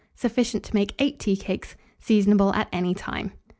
Sufficient to make 8 tea cakes. Seasonable at any time.